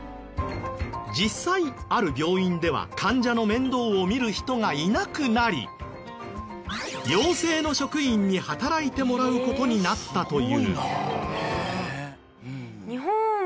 実際ある病院では患者の面倒を見る人がいなくなり陽性の職員に働いてもらう事になったという。